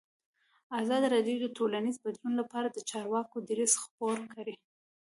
ازادي راډیو د ټولنیز بدلون لپاره د چارواکو دریځ خپور کړی.